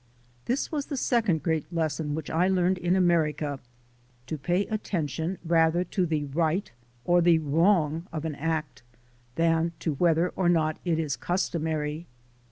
This was the second great lesson which I learned in America, to pay attention rather to the right or the wrong of an act, than to whether or not it is customary.